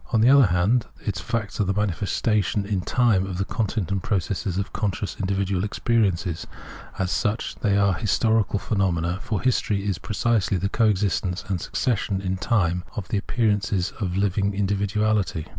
On the other hand, its facts are the manifestations in time of the content and processes of conscious individual experience : as such, they are historical phenomena, for history is precisely the co existence and succession in time of the appearances of a living individuality.